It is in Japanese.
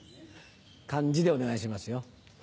漢字でお願いしますよ。